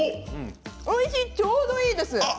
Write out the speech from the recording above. ちょうどいいです！